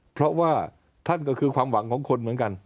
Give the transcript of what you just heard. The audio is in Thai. เพราะว่าท่านก็คือความหวังของคนเหมือนกัน